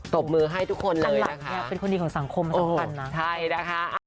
ตบมือให้ทุกคนเลยนะคะอันหลังเป็นคนดีของสังคมสำคัญนะใช่นะคะ